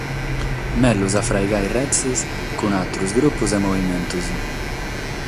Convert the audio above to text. Mègius a fraigare retzes cun àteros grupos e movimentos.